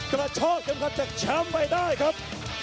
กระเทาะเก่งขัดจากเชียมไปได้ครับ